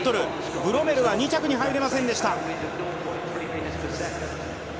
ブロメルは２着に入れませんでした。